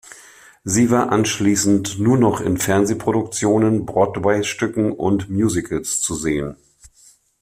Sie war anschließend nur noch in Fernsehproduktionen, Broadway-Stücken und Musicals zu sehen.